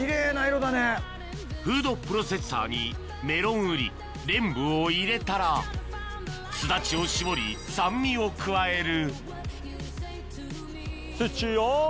フードプロセッサーにメロン瓜レンブを入れたらスダチを搾り酸味を加えるスイッチオン！